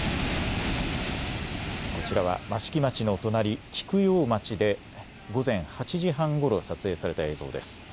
こちらは益城町の隣、菊陽町で午前８時半ごろ撮影された映像です。